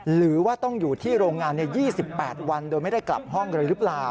หรือว่าต้องอยู่ที่โรงงาน๒๘วันโดยไม่ได้กลับห้องเลยหรือเปล่า